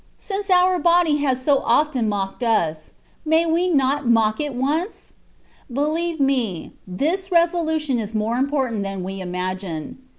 Since our body has so often mocked us, may we not mock it once? Believe me, this resolution is more important than we imagine.